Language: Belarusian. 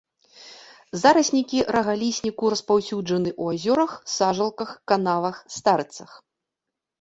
Зараснікі рагалісніку распаўсюджаны ў азёрах, сажалках, канавах, старыцах.